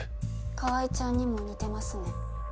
川合ちゃんにも似てますね。